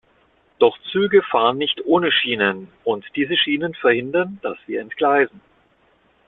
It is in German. Doch Züge fahren nicht ohne Schienen, und diese Schienen verhindern, dass wir entgleisen.